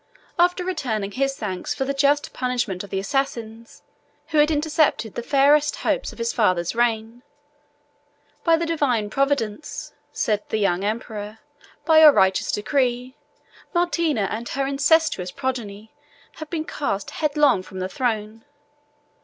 After returning his thanks for the just punishment of the assassins, who had intercepted the fairest hopes of his father's reign, "By the divine Providence," said the young emperor, "and by your righteous decree, Martina and her incestuous progeny have been cast headlong from the throne.